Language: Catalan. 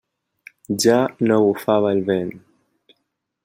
Ja no bufava el vent.